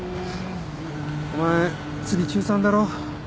お前次中３だろ？